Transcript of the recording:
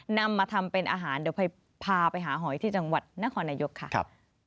นำมาทำเป็นอาหารเดี๋ยวพาไปหาหอยที่จังหวัดนครนายกค่ะ